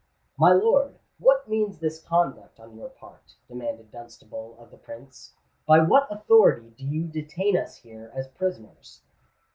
"My lord, what means this conduct on your part?" demanded Dunstable of the Prince. "By what authority do you detain us here as prisoners?"